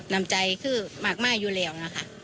นำใจคือมากมายอยู่แล้ว